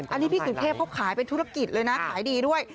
อันนี้พี่สุเทพเขาขายเป็นธุรกิจเลยนะขายดีด้วย